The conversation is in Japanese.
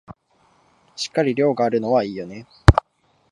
しっかり量があるのはいいよね